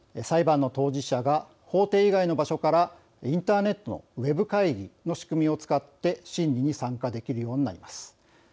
裁判の当事者が法廷以外の場所からインターネットのウェブ会議の仕組みを使って審理に参加できるようになります。